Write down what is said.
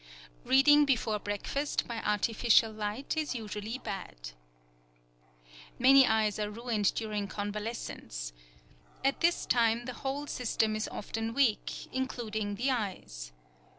Reading before breakfast by artificial light is usually bad. Many eyes are ruined during convalescence. At this time the whole system is often weak, including the eyes.